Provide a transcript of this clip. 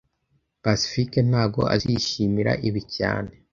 Pacifique ntago azishimira ibi cyane